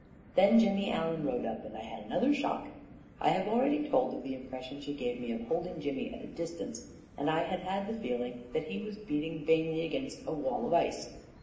Then Jimmy Allen rode up, and I had another shock. I have already told of the impression she gave me of holding Jimmy at a distance ; and I had had the feeling that he was beating vainly against a wall of ice.